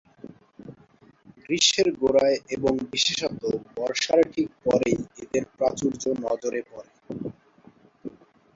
গ্রীষ্মের গোড়ায় এবং বিশেষত বর্ষার ঠিক পরেই এদের প্রাচুর্য নজরে পড়ে।